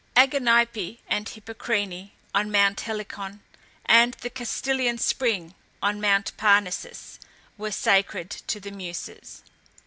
Aganippe and Hippocrene on Mount Helicon, and the Castalian spring on Mount Parnassus, were sacred to the Muses.